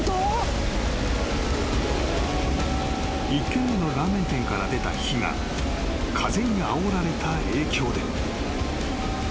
［１件目のラーメン店から出た火が風にあおられた影響で］